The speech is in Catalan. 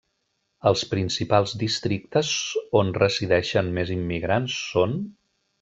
Els principals districtes on resideixen més immigrants són: